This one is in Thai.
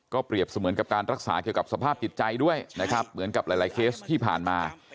เปรียบเสมือนกับการรักษาเกี่ยวกับสภาพจิตใจด้วยนะครับเหมือนกับหลายเคสที่ผ่านมา